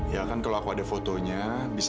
ya kan kalau aku ada fotonya bisa